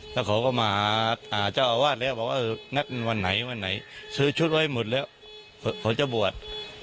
แล้วเขาก็มาหาเจ้าอาวาสแล้วบอกว่านัดวันไหนวันไหนซื้อชุดไว้หมดแล้วเขาจะบวช